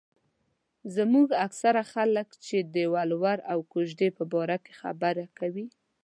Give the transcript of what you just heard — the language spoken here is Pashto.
زموږ اکثره خلک چې د ولور او کوژدو په باره کې خبره کوي.